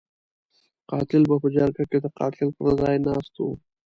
قاتل به په جرګه کې د قاتل پر ځای ناست وو.